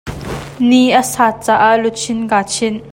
Ni a sat caah luchin kaa chinh.